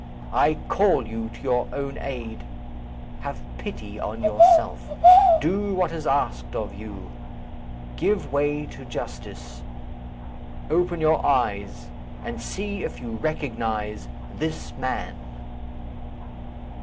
I call you to your own aid. Have pity on yourself. Do what is asked of you. Give way to justice. Open your eyes, and see if you recognize this man!"